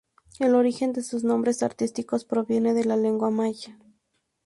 El origen de sus nombres artísticos proviene de la lengua maya.